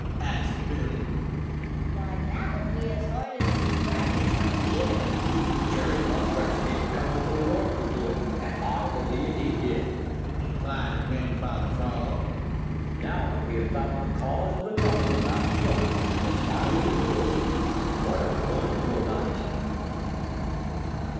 asked Billy. "Why, that would be as hard as to drag the tree here." "Jerry Muskrat's big cousin from the North could do it, and I believe he did," replied Grandfather Frog. "Now that we have found the cause of the trouble in the Laughing Brook and the Smiling Pool, what are we going to do about it?"